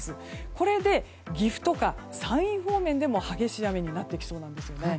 これで、岐阜とか山陰方面でも激しい雨になってきそうなんですね。